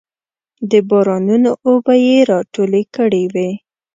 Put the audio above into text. د بارانونو اوبه یې راټولې کړې وې.